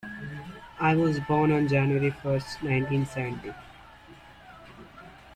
I was born on January first, nineteen seventy.